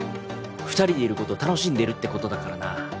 二人でいることを楽しんでるってことだからな。